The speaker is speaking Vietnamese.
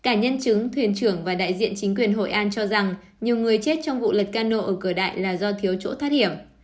cả nhân chứng thuyền trưởng và đại diện chính quyền hội an cho rằng nhiều người chết trong vụ lật cano ở cửa đại là do thiếu chỗ thoát hiểm